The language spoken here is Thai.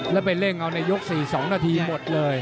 แล้วไปเร่งเอาใน๐๗๒นหมดเลย